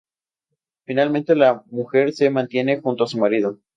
Finalmente la mujer se mantiene junto a su marido.